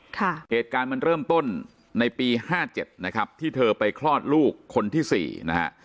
เหตุการณ์มันเริ่มต้นในปีห้าเจ็ดนะครับที่เธอไปคลอดลูกคนที่สี่นะฮะ